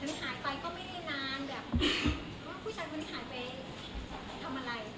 ถึงหายไปก็ไม่ได้นานเพราะว่าผู้ชายมันหายไปทำอะไร